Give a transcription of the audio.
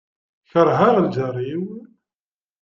Kerheɣ lǧar-iw.